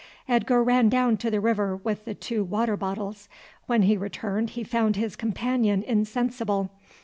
Edgar ran down to the river with the two water bottles; when he returned he found his companion insensible.